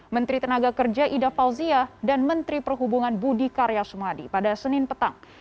menteri tenaga kerja ida fauzia dan menteri perhubungan budi karya sumadi pada senin petang